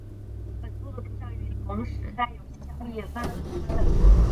本作的图像与同时代游戏相比也算是低端的。